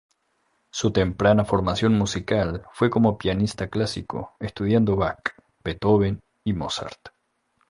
Su temprana formación musical fue como pianista clásico estudiando Bach, Beethoven y Mozart.